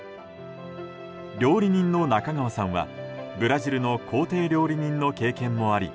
料理人の中川さんは、ブラジルの公邸料理人の経験もあり